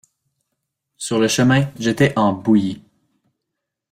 Sur le chemin, j’étais en bouillie!